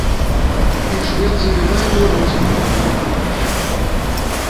І швед забівае беларусам другую гульню запар.